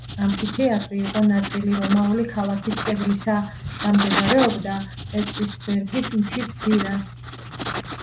ამფითეატრი იყო ნაწილი რომაული ქალაქის კედლისა და მდებარეობდა პეტრისბერგის მთის ძირას.